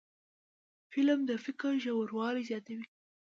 فلم د فکر ژوروالی زیاتوي